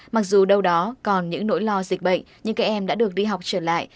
mặc dù đâu đó còn những nỗi lo dịch bệnh nhưng các em đã được đi học trở lại